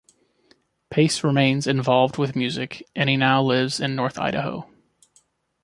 Pace remains involved with music, and he now lives in North Idaho.